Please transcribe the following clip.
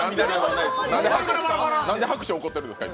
なんで拍手起こってるんですか？